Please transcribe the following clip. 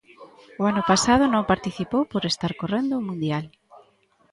O ano pasado non participou por estar correndo o mundial.